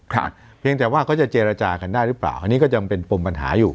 เพียงแต่ว่าเขาจะเจรจากันได้หรือเปล่าอันนี้ก็ยังเป็นปมปัญหาอยู่